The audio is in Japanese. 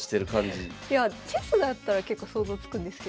いやチェスだったら結構想像つくんですけど。